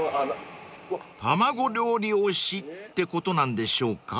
［卵料理推しってことなんでしょうか？］